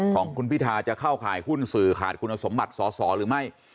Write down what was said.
ของคุณพิทาจะเข้าข่ายหุ้นสื่อขาดคุณสมบัติสอสอหรือไม่